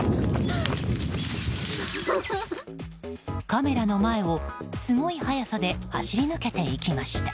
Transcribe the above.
カメラの前を、すごい速さで走り抜けていきました。